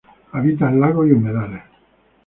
Habita en lagos y humedales.